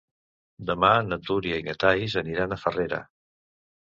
Demà na Núria i na Thaís aniran a Farrera.